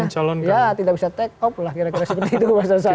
ya tidak bisa take off lah kira kira seperti itu mas tazar